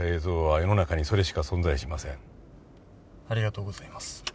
ありがとうございます。